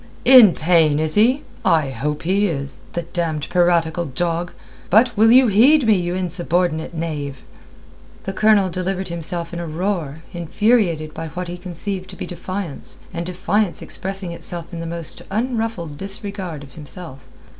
"In pain, is he? I hope he is, the damned piratical dog. But will you heed me, you insubordinate knave?" The Colonel delivered himself in a roar, infuriated by what he conceived to be defiance, and defiance expressing itself in the most unruffled disregard of himself.